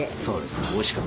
そうです。